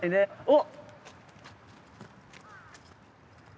おっ。